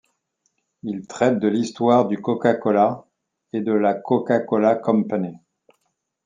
Il traite de l'histoire du Coca-Cola et de la Coca-Cola Company.